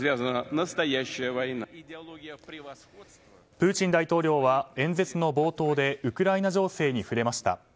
プーチン大統領は演説の冒頭でウクライナ情勢に触れました。